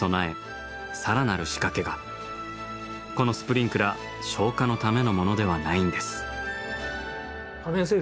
このスプリンクラー消火のためのものではないんです。